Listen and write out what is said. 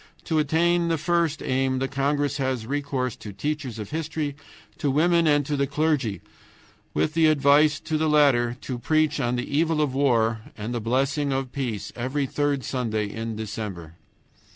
To attain the first aim the congress has recourse to teachers of history, to women, and to the clergy, with the advice to the latter to preach on the evil of war and the blessing of peace every third Sunday in December.